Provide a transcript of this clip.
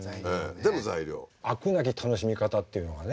飽くなき楽しみ方っていうのがね。